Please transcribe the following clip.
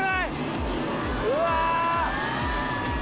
うわ！